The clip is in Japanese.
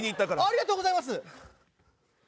ありがとうございます。